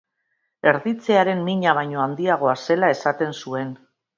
Erditzearen mina baino handiagoa zela esaten zuen.